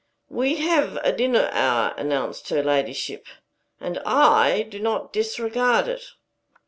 "We have a dinner hour," announced her ladyship, "and I do not disregard it."